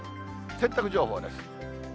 洗濯情報です。